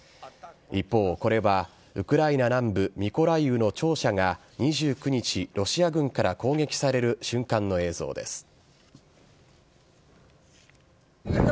一方、これはウクライナ南部ミコライウの庁舎が２９日、ロシア軍から攻撃される瞬間の映像です。